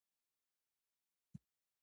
جاسوسي کول ملي خیانت دی.